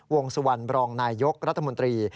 วงสุวรรณบรองนายยกรัฐมนตรี